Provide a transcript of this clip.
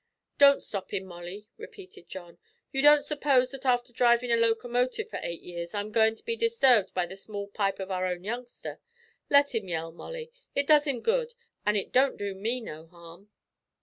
"Don't stop him, Molly," repeated John; "you don't suppose that after drivin' a locomotive for eight years I'm agoin' to be disturbed by the small pipe of our own youngster. Let him yell, Molly; it does him good, and it don't do me no harm."